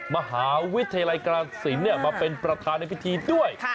มหาวิทยาลัยกรสินมาเป็นประธานในพิธีด้วย